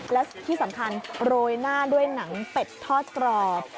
และที่สำคัญโรยหน้าด้วยหนังเป็ดทอดกรอบ